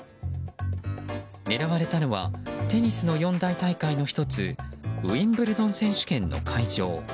狙われたのはテニスの四大大会の１つウィンブルドン選手権の会場。